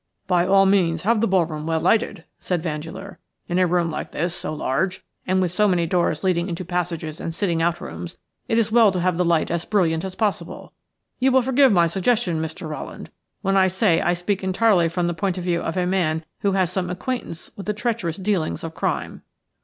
"By all means have the ball room well lighted," said Vandeleur. "In a room like this, so large, and with so many doors leading into passages and sitting out rooms, it is well to have the light as brilliant as possible. You will forgive my suggestion, Mr. Rowland, when I say I speak entirely from the point of view of a man who has some acquaintance with the treacherous dealings of crime."